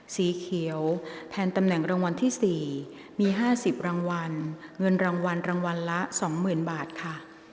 สีเขียวแทนตำแหน่งรางวัลที่๔มี๕๐รางวัลเงินรางวัลรางวัลละ๒๐๐๐บาทค่ะ